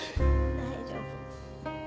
大丈夫。